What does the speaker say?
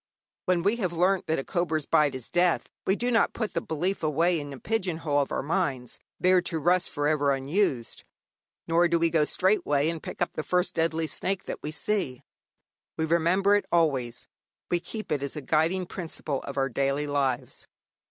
When we have learnt that a cobra's bite is death, we do not put the belief away in a pigeon hole of our minds, there to rust for ever unused, nor do we go straightway and pick up the first deadly snake that we see. We remember it always; we keep it as a guiding principle of our daily lives.